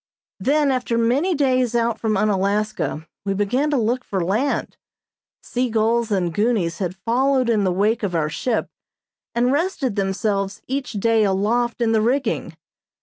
Then, after many days out from Unalaska we began to look for land. Seagulls and goonies had followed in the wake of our ship, and rested themselves each day aloft in the rigging.